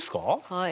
はい。